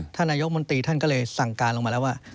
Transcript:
นายกมนตรีท่านก็เลยสั่งการลงมาแล้วว่า